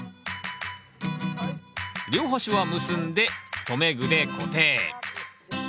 両端は結んで留め具で固定。